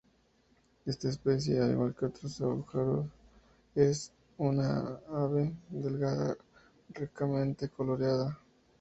Esta especie, al igual que otros abejarucos, es un ave delgada ricamente coloreada.